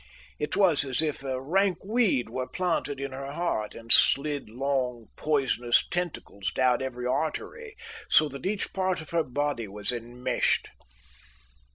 It was as if a rank weed were planted in her heart and slid long poisonous tentacles down every artery, so that each part of her body was enmeshed.